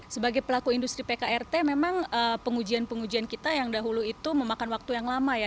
sebagai pelaku industri pkrt memang pengujian pengujian kita yang dahulu itu memakan waktu yang lama ya